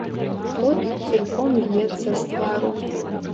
Пот цурком льецца з твару.